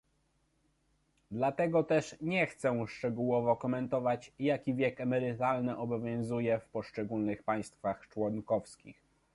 Dlatego też nie chcę szczegółowo komentować, jaki wiek emerytalny obowiązuje w poszczególnych państwach członkowskich